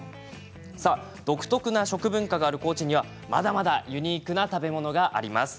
独特な食文化がある高知にはまだまだユニークな食べ物があります。